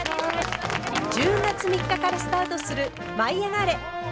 １０月３日からスタートする「舞いあがれ！」。